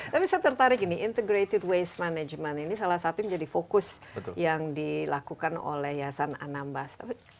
tapi saya tertarik ini integrated waste management ini salah satu yang menjadi fokus yang dilakukan oleh yasan anambas